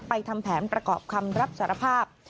ทำแผนประกอบคำรับสารภาพ